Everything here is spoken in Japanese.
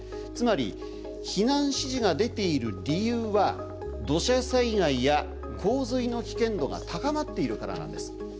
つまり避難指示が出ている理由は土砂災害や洪水の危険度が高まっているからなんです。